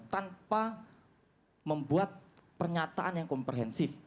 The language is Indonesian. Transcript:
tanpa membuat pernyataan yang komprehensif